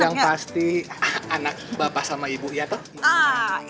yang pasti anak bapak sama ibu ya tuh